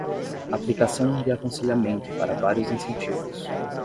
Aplicação de aconselhamento para vários incentivos